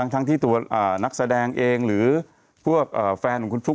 ทั้งที่ตัวนักแสดงเองหรือพวกแฟนของคุณฟลุ๊ก